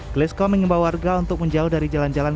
grisko mengimbau warga untuk menjauh dari jalan jalan